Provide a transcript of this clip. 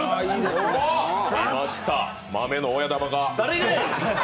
出ました、豆の親玉が。